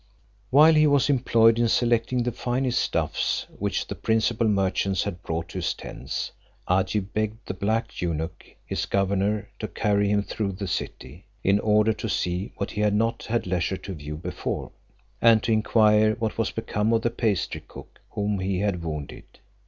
While he was employed in selecting the finest stuffs which the principal merchants had brought to his tents, Agib begged the black eunuch his governor to carry him through the city, in order to see what he had not had leisure to view before; and to inquire what was become of the pastry cook whom he had wounded.